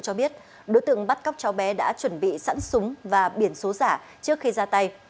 cho biết đối tượng bắt cóc cháu bé đã chuẩn bị sẵn súng và biển số giả trước khi ra tay